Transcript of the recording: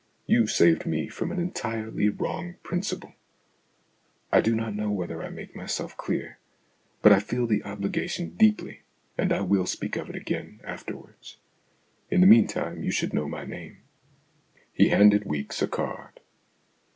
You saved me from an entirely wrong principle. I do not know whether I make myself clear. But I feel the obligation deeply, and I will speak of it again afterwards. In the meantime you should know my name." He handed Weeks a card.